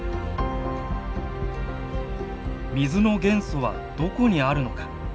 水の元素はどこにあるのか。